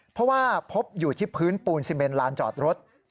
เพราะว่าพบอยู่ที่พื้นปูนซีเมนลานจอดรถ